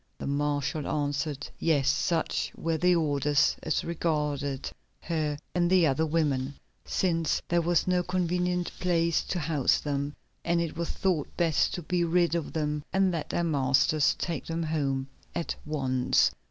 The marshal answered yes, such were the orders as regarded her and the other women, since there was no convenient place to house them, and it was thought best to be rid of them and let their masters take them home at once.